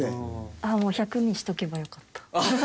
ああもう１００にしとけばよかった。